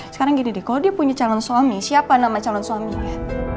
sekarang gini deh kalau dia punya calon suami siapa nama calon suaminya